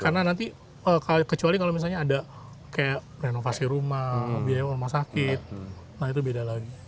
karena nanti kecuali kalau misalnya ada kayak renovasi rumah biaya rumah sakit nah itu beda lagi